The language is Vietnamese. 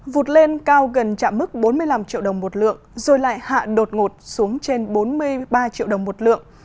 vụt lên cao gần chạm mức bốn mươi năm triệu đồng một lượng rồi lại hạ đột ngột xuống trên bốn mươi ba triệu đồng một lượng